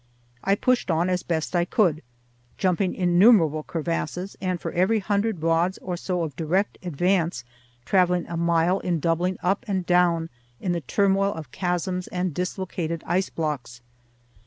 I pushed on as best I could, jumping innumerable crevasses, and for every hundred rods or so of direct advance traveling a mile in doubling up and down in the turmoil of chasms and dislocated ice blocks.